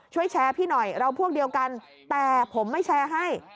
ช่วยแชร์พี่หน่อยเราพวกเดียวกันแต่ผมไม่แชร์ให้